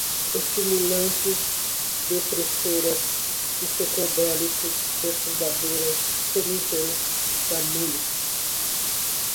estimulantes, depressoras, psicodélicos, perturbadoras, soníferos, xamânicos